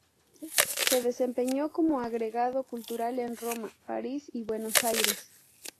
Se desempeñó como agregado cultural en Roma, París y Buenos Aires.